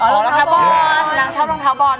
รองเท้าบอลนางชอบรองเท้าบอล